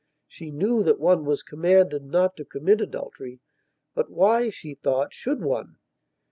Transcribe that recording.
She knew that one was commanded not to commit adulterybut why, she thought, should one?